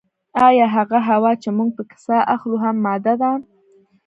ایا هغه هوا چې موږ پکې ساه اخلو هم ماده ده